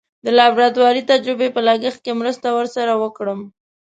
د لابراتواري تجزیې په لګښت کې مرسته ور سره وکړم.